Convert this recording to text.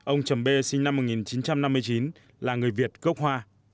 ông trầm b sinh năm một nghìn chín trăm năm mươi chín là người việt gốc hoa